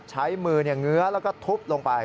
ใช้มือเงื้อแล้วก็ทุบลงไป